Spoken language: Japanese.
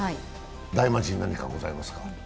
大魔神、何かございますか？